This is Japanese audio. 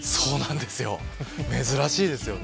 珍しいですよね。